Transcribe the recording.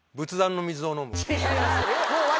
違います。